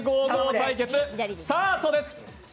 対決スタートです。